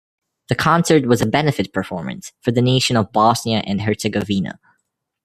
The concert was a benefit performance for the nation of Bosnia and Herzegovina.